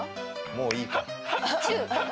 もういいから。